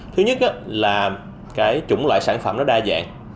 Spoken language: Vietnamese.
thứ nhất là cái chủng loại sản phẩm nó đa dạng